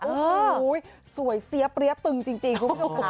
โอ้โหสวยเสียเปรี้ยตึงจริงคุณผู้ชมค่ะ